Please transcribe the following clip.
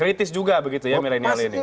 kritis juga begitu ya milenial ini